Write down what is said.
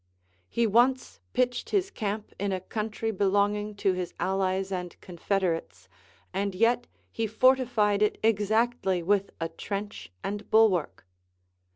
lie once pitched his camp in a country belonging to his allies and confed erates, and yet he fortified it exactly with a trench and bulwark.